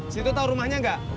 situ tau rumahnya nggak